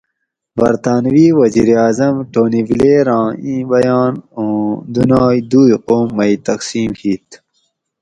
"برطانوی وزیراعظم ٹونی بلیٔر آں اِیں بیان اُوں "" دُنائ دُوئ قوم مئ تقسیم ہِیت"